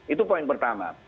itu poin pertama